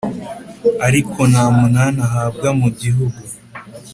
Ariko nta munani ahabwa mu gihugu,